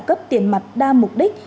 cấp tiền mặt đa mục đích